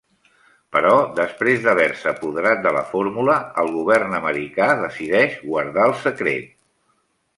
Però després d'haver-se apoderat de la fórmula, el govern americà decideix guardar el secret.